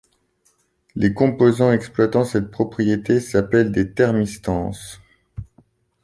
Les composants exploitant cette propriété s'appellent des thermistances.